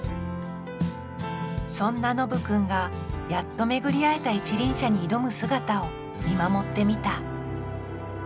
そんなのぶ君がやっと巡り会えた一輪車に挑む姿を見守ってみた